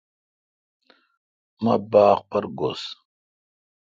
مہ باغ پر گس۔